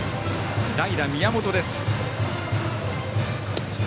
代打、宮本です。